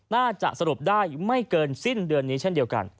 น่าจะสรุปได้ไม่เกินสิ้นเดือนนี้เช่นเดียวกัน